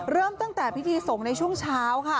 เริ่มตั้งแต่พิธีสงฆ์ในช่วงเช้าค่ะ